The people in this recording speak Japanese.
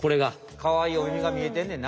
かわいいおみみがみえてんねんな。